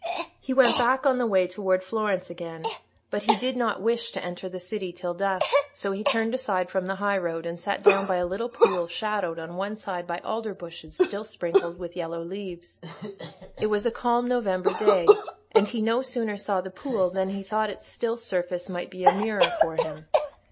He went back on the way towards Florence again, but he did not wish to enter the city till dusk; so he turned aside from the highroad, and sat down by a little pool shadowed on one side by alder bushes still sprinkled with yellow leaves. It was a calm November day, and he no sooner saw the pool than he thought its still surface might be a mirror for him.